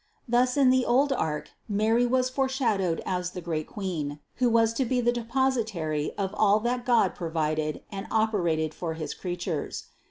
Thus in the old ark Mary was foreshadowed as the great Queen, who was to be the de positary of all that God provided and operated for his creatures.